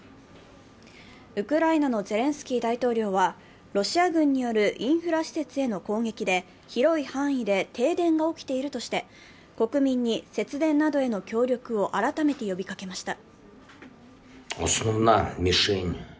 ウクライナのゼレンスキー大統領はロシア軍によるインフラ施設への攻撃で広い範囲で停電が起きているとして、国民に節電などへの協力を改めて呼びかけました。